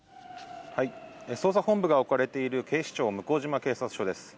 捜査本部が置かれている警視庁向島警察署です。